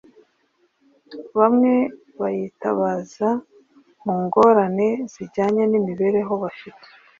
bamwe bayitabaza mu ngorane zijyanye n’imibereho bafite